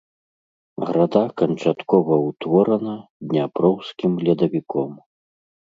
Града канчаткова ўтворана дняпроўскім ледавіком.